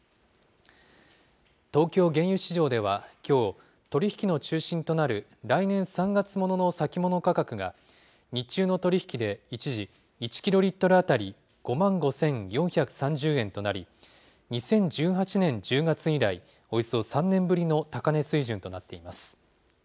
東京原油市場ではきょう、取り引きの中心となる来年３月ものの先物価格が、日中の取り引きで一時、１キロリットル当たり５万５４３０円となり、２０１８年１０月以来、およそ３年ぶりの高値水準となっています。